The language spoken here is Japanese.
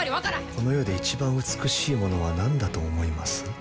この世で一番美しいものは何だと思います？